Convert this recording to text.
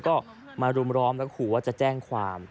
พี่ถ่ายคลิปนักรายแรกเขา